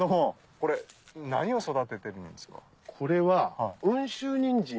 これ何を育ててるんですか？